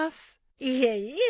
いえいえ。